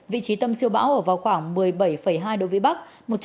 vị trí tâm siêu bão ở vào khoảng một mươi bảy hai độ vĩ bắc